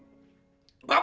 bapak yang ngatur kamu